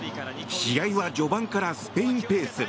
試合は序盤からスペインペース。